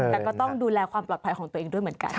แต่ก็ต้องดูแลความปลอดภัยของตัวเองด้วยเหมือนกัน